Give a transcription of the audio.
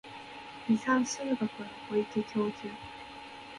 離散数学の小池教授